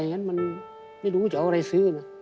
งั้นมันไม่รู้จะเอาอะไรซื้อนะ